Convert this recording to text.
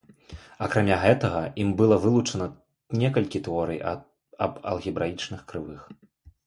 Акрамя гэтага ім было вылучана некалькі тэорый аб алгебраічных крывых.